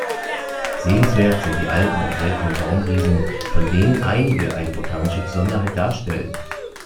Sehenswert sind die alten und seltenen Baumriesen, von denen einige eine botanische Besonderheit darstellen.